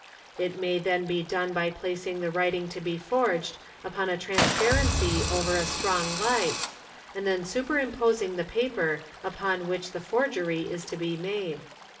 It may ihen be done by placing the writing to be forged upon a transparency over a strong light, and then superimposing the paper upon which the orgery is to be made.